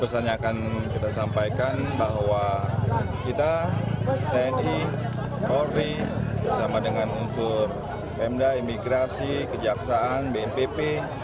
pesannya akan kita sampaikan bahwa kita tni polri bersama dengan unsur pemda imigrasi kejaksaan bnpp